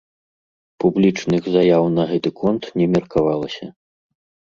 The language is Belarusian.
Публічных заяў на гэты конт не меркавалася.